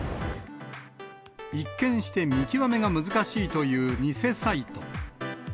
一見して見極めが難しいという偽サイト。